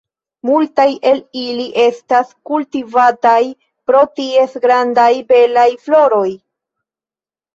Multaj el ili estas kultivataj pro ties grandaj, belaj floroj.